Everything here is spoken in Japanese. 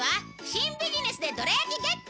新ビジネスでどら焼きゲット！？